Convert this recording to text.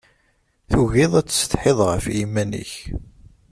Tugiḍ ad tsetḥiḍ ɣef yiman-ik.